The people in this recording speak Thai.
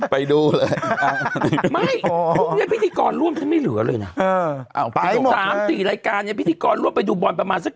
ไม่วันนี้พิธีกรร่วมซะไม่เหลือเลยนะ๓๔รายการเราไปดูปอลประมาณสัก๗๐